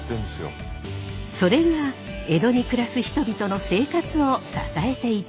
それが江戸に暮らす人々の生活を支えていたのです。